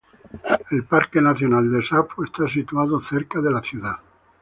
El parque nacional de Sapo está situado cerca de la ciudad.